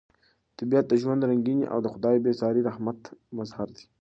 طبیعت د ژوند د رنګینۍ او د خدای د بې ساري رحمت مظهر دی.